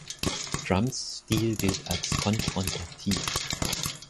Trumps Stil gilt als konfrontativ.